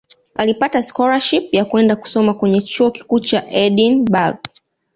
Alipata skolashipu ya kwenda kusoma kwenye Chuo Kikuu cha Edinburgh